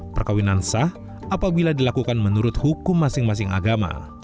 perkawinan sah apabila dilakukan menurut hukum masing masing agama